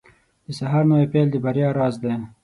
• د سهار نوی پیل د بریا راز دی.